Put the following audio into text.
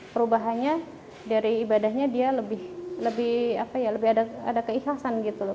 perubahannya dari ibadahnya dia lebih ada keikhlasan gitu loh